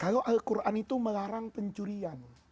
kalau al quran itu melarang pencurian